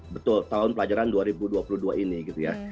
betul tahun pelajaran dua ribu dua puluh dua ini